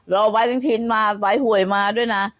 รอใบสังชินมาใบห่วยมาด้วยนะ